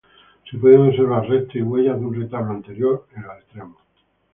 Se pueden observar restos y huellas de un retablo anterior en los extremos.